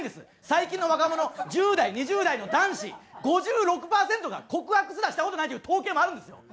最近の若者１０代２０代の男子５６パーセントが告白すらした事ないという統計もあるんですよ。